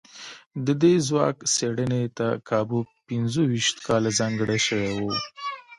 د دې ځواک څېړنې ته کابو پينځو ويشت کاله ځانګړي شوي وو.